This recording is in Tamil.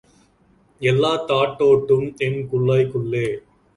எல்லாத் தாட்டோட்டும் என் குல்லாய்க்குள்ளே.